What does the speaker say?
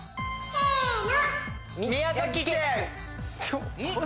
・せの！